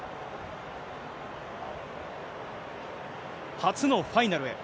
初のファイナルへ。